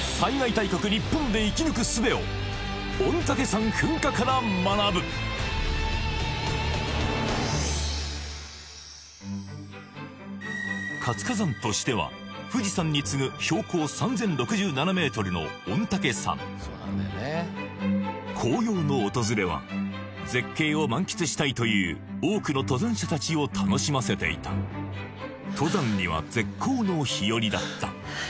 すべを御嶽山噴火から学ぶ活火山としては富士山に次ぐ標高３０６７ｍの御嶽山紅葉の訪れは絶景を満喫したいという多くの登山者たちを楽しませていた登山には絶好の日和だった